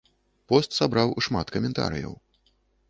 Пост сабраў шмат каментарыяў.